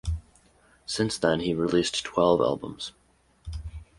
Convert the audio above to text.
Since then he released twelve albums.